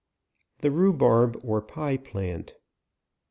61 THE RHUBARB, or PIE PLANT.